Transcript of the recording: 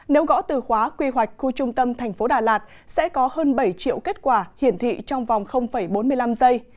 nếu gõ từ khóa quy hoạch khu trung tâm thành phố đà lạt sẽ có hơn bảy triệu kết quả hiển thị trong vòng bốn mươi năm giây